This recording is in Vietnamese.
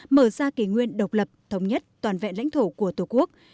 mở ra kỷ nguyên độc lập thống nhất toàn vẹn lãnh thổ của tổ quốc